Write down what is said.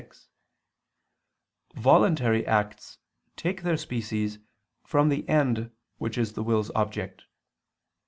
6), voluntary acts take their species from their end which is the will's object.